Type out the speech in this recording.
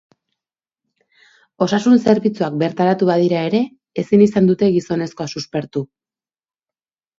Osasun-zerbitzuak bertaratu badira ere, ezin izan dute gizonezkoa suspertu.